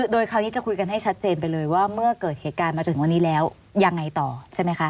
โดยคราวนี้จะคุยกันให้ชัดเจนไปเลยว่าเมื่อเกิดเหตุการณ์มาจนถึงวันนี้แล้วยังไงต่อใช่ไหมคะ